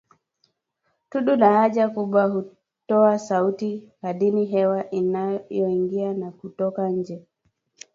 Tundu la haja kubwa hutoa sauti kadiri hewa inavyoingia na kutoka nje